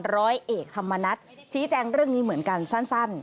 ร้อยเอกธรรมนัฐชี้แจงเรื่องนี้เหมือนกันสั้น